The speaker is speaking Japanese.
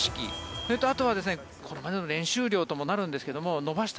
それとあとは、これまでの練習量ともなるんですが伸ばした